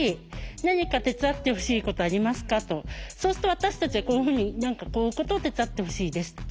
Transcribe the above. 「何か手伝ってほしいことありますか？」とそうすると私たちはこういうふうに何かこういうことを手伝ってほしいですって。